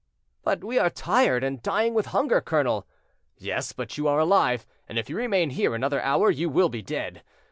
"But we are tired and dying with hunger, colonel." "Yes, but you are alive; and if you remain here another hour you will be dead.